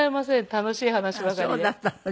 楽しい話ばかりで。